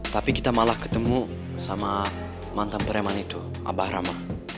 tapi kita malah ketemu sama mantan preman itu abah rame